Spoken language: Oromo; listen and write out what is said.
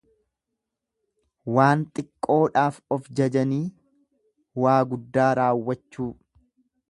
Waan xiqqoodhaaf of jajanii waa guddaa raawwachuu.